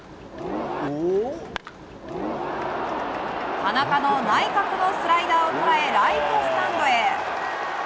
田中の内角のスライダーを捉えライトスタンドへ。